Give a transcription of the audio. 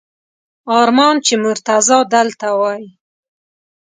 ارمان چې مرتضی دلته وای!